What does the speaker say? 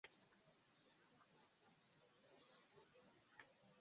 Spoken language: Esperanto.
Tie ili konatiĝis kun stivisto, prenanta angilojn el elmarigita kapego de ĉevala kadavro.